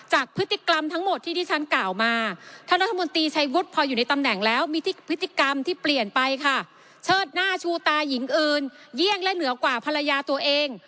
เหมือนเชิญเล่อะเหนียวกว่าภรรยาตัวเอง